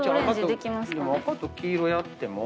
でも赤と黄色やっても。